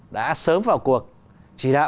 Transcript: đã sớm vào cuộc chỉ đạo